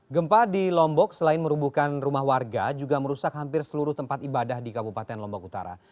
gempa di lombok selain merubuhkan rumah warga juga merusak hampir seluruh tempat ibadah di kabupaten lombok utara